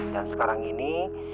dan sekarang ini